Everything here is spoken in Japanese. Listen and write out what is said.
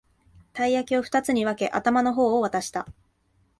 たい焼きをふたつに分け、頭の方を渡した